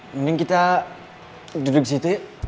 mending kita duduk disitu yuk